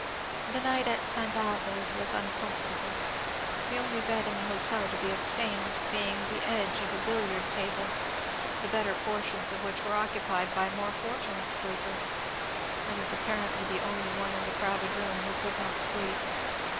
The night at St. Avoid was uncomfortable, the only bed in the hotel to be obtained being the edge of a billiiud ^able, the better portions of which were occupied by more fortu nate sleepers. I was apparently the only one in the crowded room who could not sleep.